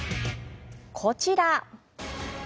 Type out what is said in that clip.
こちら。